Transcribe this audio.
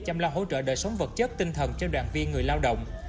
chăm lo hỗ trợ đời sống vật chất tinh thần cho đoàn viên người lao động